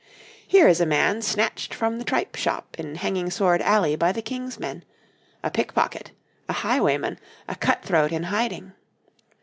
Here is a man snatched from the tripe shop in Hanging Sword Alley by the King's men a pickpocket, a highwayman, a cut throat in hiding.